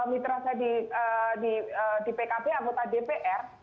mitra saya di pkb anggota dpr